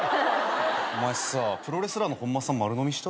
お前さプロレスラーの本間さん丸のみした？